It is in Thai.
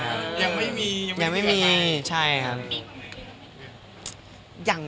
ยังไม่มียังไม่มีใช่ครับ